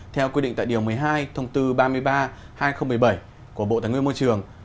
theo quy định tại điều một mươi hai thông tư ba mươi ba hai nghìn một mươi bảy của bộ tài nguyên môi trường